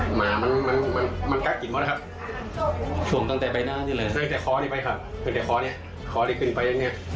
ข่วงตั้งแต่ใบหน้านี่เลย